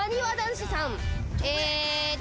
えっと。